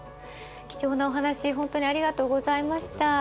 貴重なお話本当にありがとうございました。